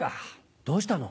どうしたの？